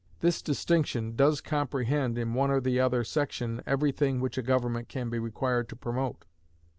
This distinction does comprehend in one or the other section every thing which a government can be required to promote.